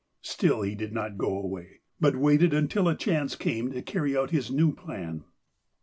Still he did not go away, but waited until a chance came to carry out his new plan.